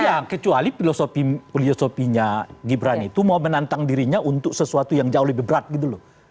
iya kecuali filosofinya gibran itu mau menantang dirinya untuk sesuatu yang jauh lebih berat gitu loh